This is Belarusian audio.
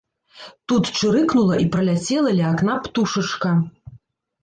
Тут чырыкнула і праляцела ля акна птушачка.